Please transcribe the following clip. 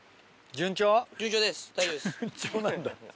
順調なんだ。